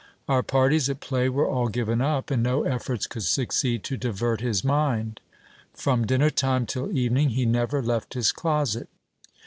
Our parties at play were all given up, and no efforts could succeed to divert his mind. From dinner time till evening he never left his closet.